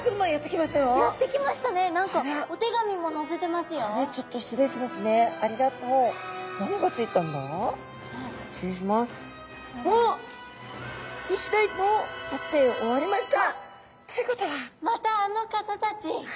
またあの方たち！